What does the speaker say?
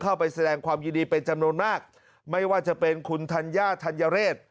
เข้าไปแสดงความยินดีเป็นจำนวนมากไม่ว่าจะเป็นคุณธัญญาธัญเรศ